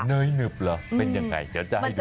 เนยหนึบเหรอเป็นยังไงเดี๋ยวจะให้ดู